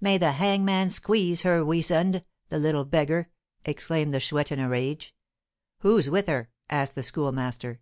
"May the hangman squeeze her weasand, the little beggar," exclaimed the Chouette in a rage. "Who's with her?" asked the Schoolmaster.